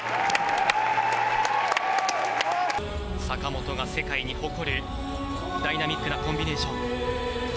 坂本が世界に誇るダイナミックなコンビネーション。